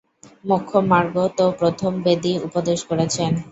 মোক্ষমার্গ তো প্রথম বেদই উপদেশ করেছেন।